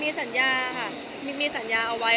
มีสัญญาค่ะมีสัญญาเอาไว้